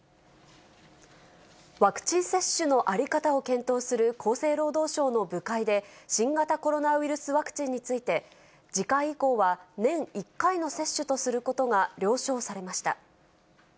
ワクチン接種の在り方を検討する厚生労働省の部会で、新型コロナウイルスワクチンについて、次回以降は年１回の接種とすることが了承されました。